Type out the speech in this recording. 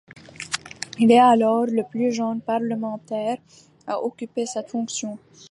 Il est alors le plus jeune parlementaire à occuper cette fonction.